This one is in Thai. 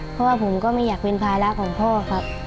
เพราะว่าผมก็ไม่อยากเป็นภาระของพ่อครับ